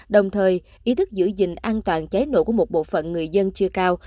đồng thời ý thức giữ gìn an toàn cháy nổ của một bộ phận người dân chưa cao